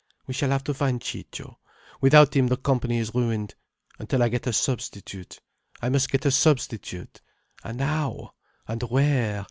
We shall have to find Ciccio. Without him the company is ruined—until I get a substitute. I must get a substitute. And how?—and where?